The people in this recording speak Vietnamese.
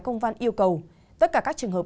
công văn yêu cầu tất cả các trường hợp